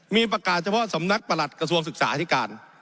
มีประกาศเฉพาะสำนักประหลัดกระทรวงศึกษาที่การ